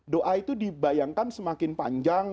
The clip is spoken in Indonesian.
doa itu dibayangkan semakin panjang